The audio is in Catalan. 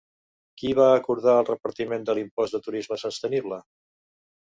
Qui va acordar el repartiment de l'impost de turisme sostenible?